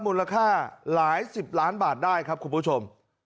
มูลค่าหลายสิบล้านบาทได้ครับคุณผู้ชม